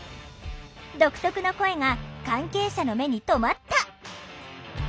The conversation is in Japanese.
独特の声が関係者の目に留まった。